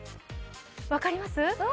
分かります？